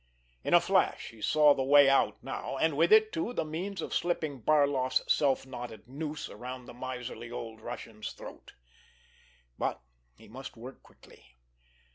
In a flash he saw the way out now, and with it, too, the means of slipping Barloff's self knotted noose around the miserly old Russian's throat. But he must work quickly.